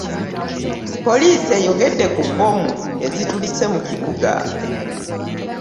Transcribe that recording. Poliisi eyogede ku bbomu ezitulise mu kibugga.